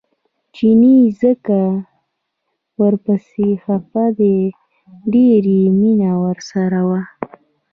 چیني ځکه ورپسې خپه دی ډېره یې مینه ورسره وه.